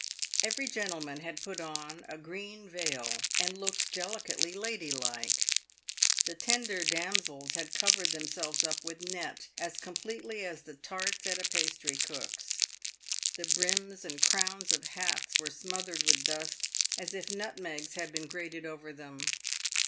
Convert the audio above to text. Every gentleman had put on a green veil, and looked delicately lady like. The tender damsels had covered themselves up with net as completely as the tarts at a pastrycook's. The brims and crowns of hats were smothered with dust, as if nutmegs had been grated over them.